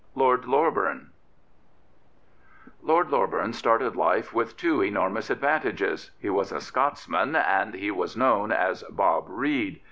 194 LORD LOREBURN Lord Loreburn started life with two enormous advantages. He was a Scotsman and he was known as Bob Reid.